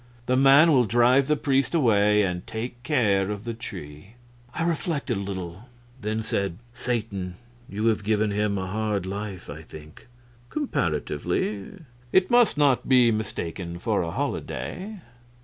The man will drive the priest away and take care of the tree." I reflected a little, then said, "Satan, you have given him a hard life, I think." "Comparatively. It must not be mistaken for a holiday."